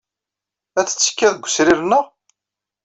Ad tettekkiḍ deg wesrir-nneɣ?